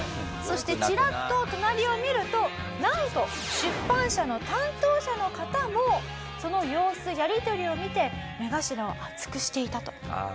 そしてチラッと隣を見るとなんと出版社の担当者の方もその様子やり取りを見て目頭を熱くしていたと。